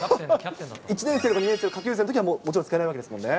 １年生や２年生の下級生のときは、もちろん使えないわけですもんね。